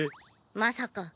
まさか。